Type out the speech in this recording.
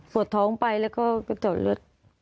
ปวดท้องไปแล้วก็ตรวจเลือด